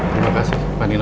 terima kasih manila